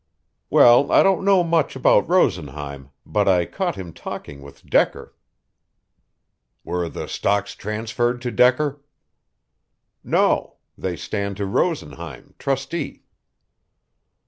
"Well, I don't know much about Rosenheim, but I caught him talking with Decker." "Were the stocks transferred to Decker?" "No; they stand to Rosenheim, trustee."